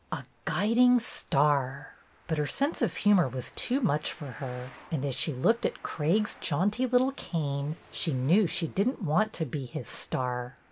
A guiding star ! But her sense of humor was too much for her, and as she looked at Craig's jaunty little cane she knew she did n't want to be his Star